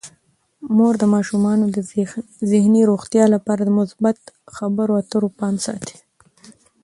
مور د ماشومانو د ذهني روغتیا لپاره د مثبت خبرو اترو پام ساتي.